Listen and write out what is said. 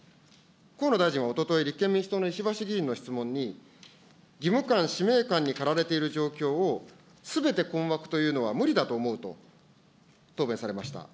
河野大臣はおととい、立憲民主党のいしばし議員の質問に、義務感使命感に駆られている状況をすべて困惑というのは無理だと思うと答弁されました。